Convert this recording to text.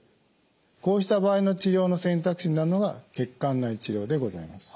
こうした場合の治療の選択肢になるのが血管内治療でございます。